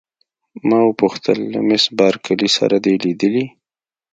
ما وپوښتل: له مس بارکلي سره دي لیدلي؟